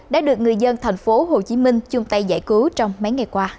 đã được người dân thành phố hồ chí minh chung tay giải cứu trong mấy ngày qua